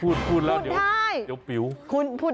ความลับของแมวความลับของแมว